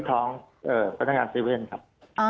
ใช่ไหมครับ